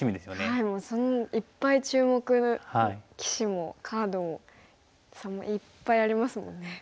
はいもういっぱい注目棋士もカードもいっぱいありますもんね。